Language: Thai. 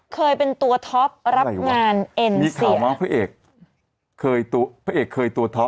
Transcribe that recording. เคยเป็นตัวท็อปรับงานเอ็นเ